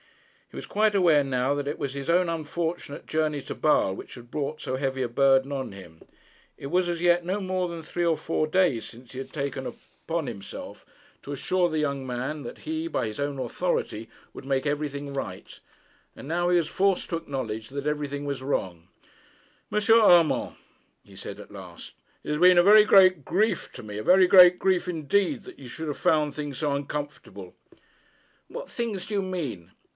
He was quite aware now that it was his own unfortunate journey to Basle which had brought so heavy a burden on him. It was as yet no more than three or four days since he had taken upon himself to assure the young man that he, by his own authority, would make everything right; and now he was forced to acknowledge that everything was wrong. 'M. Urmand,' he said at last, 'it has been a very great grief to me, a very great grief indeed, that you should have found things so uncomfortable.' 'What things do you mean?'